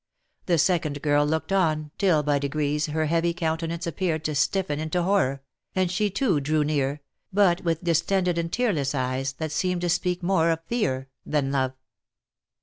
The second girl looked on, till by degrees her heavy countenance appeared to stiffen into horror, and she too drew near, 134 THE LIFE AND ADVENTURES but with distended and tearless eyes, that seemed to speak more of fear than love.